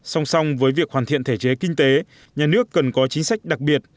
song song với việc hoàn thiện thể chế kinh tế nhà nước cần có chính sách đặc biệt